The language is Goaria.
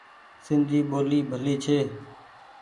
سندي ٻولي ڀلي ڇي ۔